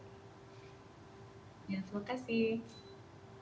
ya terima kasih